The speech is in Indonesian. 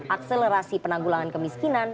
akselerasi penanggulangan kemiskinan